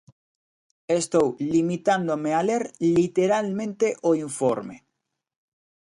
Estou limitándome a ler literalmente o informe.